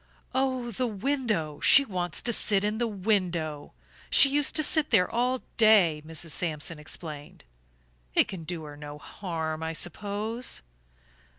"Oh, the window she wants to sit in the window. She used to sit there all day," Mrs. Sampson explained. "It can do her no harm, I suppose?"